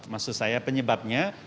maksud saya penyebabnya